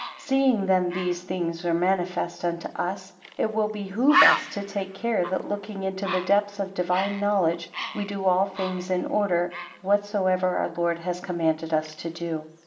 13 Seeing then these things are manifest unto us, it will behove us to take care that looking into the depths of the divine knowledge, we do all things in order, whatsoever our Lord has commanded us to do.